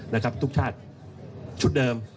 นะครับทุกชาติชุดเดิม